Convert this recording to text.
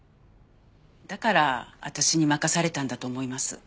だから私に任されたんだと思います。